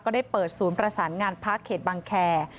ได้เปิดศูนย์ประสานงานพักเขตบังแคร์